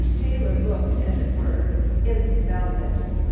Taylor looked, as it were, "in the velvet."